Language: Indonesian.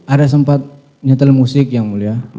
ada sempat nyetel musik yang mulia